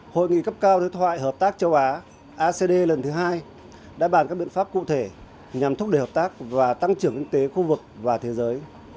hội nghị cấp cao đối thoại hợp tác châu á acd lần thứ hai đã bàn các biện pháp cụ thể nhằm thúc đẩy hợp tác và tăng trưởng kinh tế khu vực và thế giới